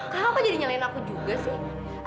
kau kan jadi nyalain aku juga sih